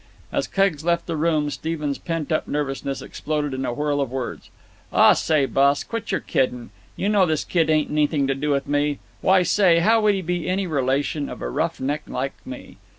As Keggs left the room Steve's pent up nervousness exploded in a whirl of words. "Aw say, boss, quit yer kiddin'. You know this kid ain't anything to do with me. Why, say, how would he be any relation of a roughneck like me?